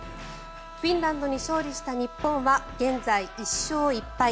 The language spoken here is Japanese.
フィンランドに勝利した日本は現在、１勝１敗。